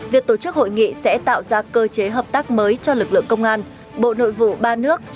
việc tổ chức hội nghị sẽ tạo ra cơ chế hợp tác mới cho lực lượng công an bộ nội vụ ba nước